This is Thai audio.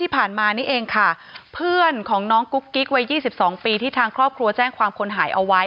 ที่ผ่านมานี่เองค่ะเพื่อนของน้องกุ๊กกิ๊กวัย๒๒ปีที่ทางครอบครัวแจ้งความคนหายเอาไว้